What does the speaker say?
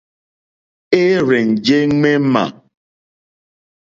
É rzènjé ŋmémà.